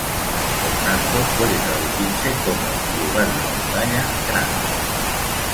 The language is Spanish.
Por tanto puede traducirse como "Lugar de la muralla grande".